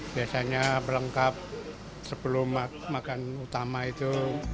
biasanya berlengkap sebelum makan utama itu